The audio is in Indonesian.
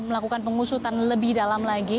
melakukan pengusutan lebih dalam lagi